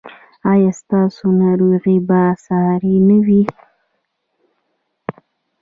ایا ستاسو ناروغي به ساري نه وي؟